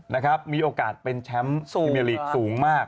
นะครับมีโอกาสเป็นแชมป์พรีเมียลีกสูงมาก